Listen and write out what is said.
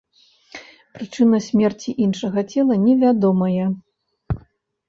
Прычына смерці іншага цела невядомая.